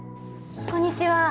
こんにちは。